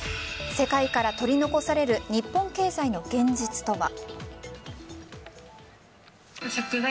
世界から取り残される日本経済の現実とは。